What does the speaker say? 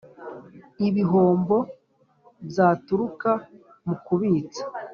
ibihombo byaturuka mu kubitsa